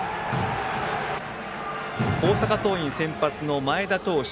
大阪桐蔭、先発の前田投手。